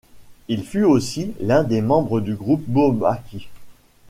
Il fut aussi l'un des membres du groupe Bourbaki.